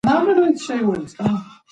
ایا مازیګر لا نه دی رارسېدلی؟